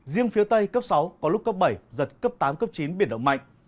riêng phía tây cấp sáu có lúc cấp bảy giật cấp tám cấp chín biển động mạnh